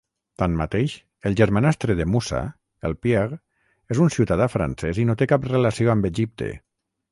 Tanmateix, el germanastre de Moussa, el Pierre, és un ciutadà francès i no té cap relació amb Egipte.